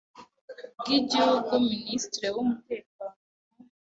bw Igihugu Minisitiri w Umutekano mu